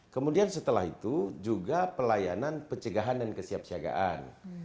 kemudian setelah itu juga pelayanan pencegahan dan kesiapsiagaan